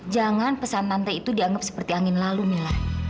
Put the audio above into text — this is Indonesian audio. jangan pesan pantai itu dianggap seperti angin lalu mila